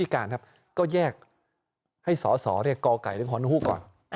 ก็แยกให้สอบสอบกอแก่หลังหู้ก่อน